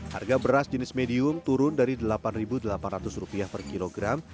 harga beras jenis medium turun dari rp delapan delapan ratus per kilogram